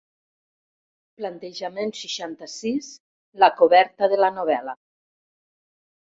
Plantejament seixanta-sis la coberta de la novel·la.